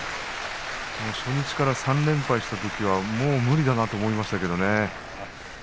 初日から３連敗したときはもう無理だなと思いましたけどね。